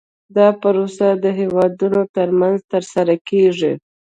دا پروسه د هیوادونو ترمنځ ترسره کیږي